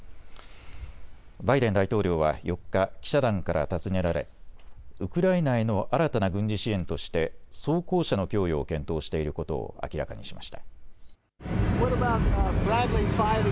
バイデン大統領は４日、記者団から尋ねられウクライナへの新たな軍事支援として装甲車の供与を検討していることを明らかにしました。